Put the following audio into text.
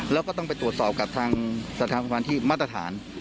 แล้วก็ต้องไปตรวจสอบกับทางสถาบันที่มาตรฐาน